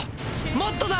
もっとだ！